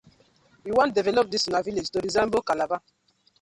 We wan develop dis una villag to resemble Calabar.